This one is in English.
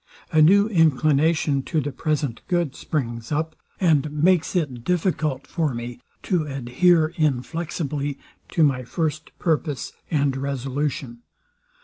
A new inclination to the present good springs up, and makes it difficult for me to adhere inflexibly to my first purpose and resolution.